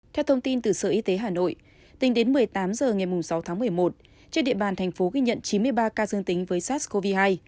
theo thông tin từ sở y tế hà nội tính đến một mươi tám h ngày sáu tháng một mươi một trên địa bàn thành phố ghi nhận chín mươi ba ca dương tính với sars cov hai